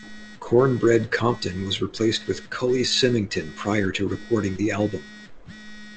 Cornbread Compton was replaced by Cully Symington prior to recording the album.